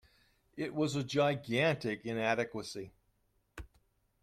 It was a gigantic inadequacy.